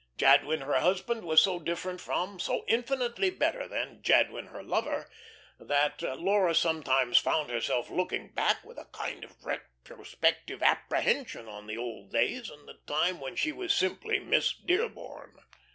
Jadwin her husband was so different from, so infinitely better than, Jadwin her lover, that Laura sometimes found herself looking back with a kind of retrospective apprehension on the old days and the time when she was simply Miss Dearborn.